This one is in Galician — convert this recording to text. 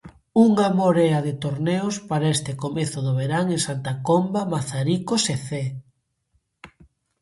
Unha morea de torneos para este comezo do verán en Santa Comba, Mazaricos e Cee.